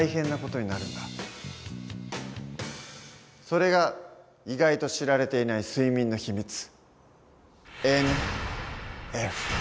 それが意外と知られていない睡眠のひみつ。